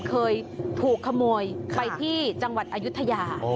เคยถูกขโมยไปที่จังหวัดอายุทยา